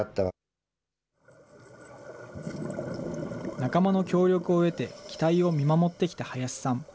仲間の協力を得て、機体を見守ってきた林さん。